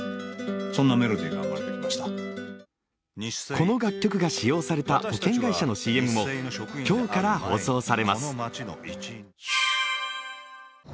この楽曲が使用された保険会社のＣＭも今日から放送されます。